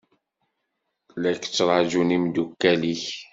La k-ttṛaǧun imeddukal-ik.